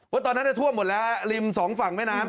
ตอนนั้นท่วมหมดแล้วริมสองฝั่งแม่น้ำ